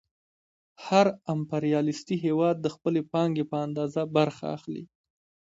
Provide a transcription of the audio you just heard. هر امپریالیستي هېواد د خپلې پانګې په اندازه برخه اخلي